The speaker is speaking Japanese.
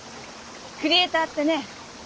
クリエーターってね